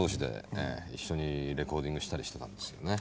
ええ一緒にレコーディングしたりしてたんですよね。